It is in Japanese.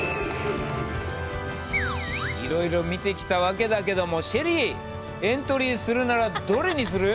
いろいろ見てきたわけだけどもＳＨＥＬＬＹエントリーするならどれにする？